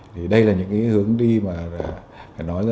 thì đây là những cái hướng đi mà phải nói là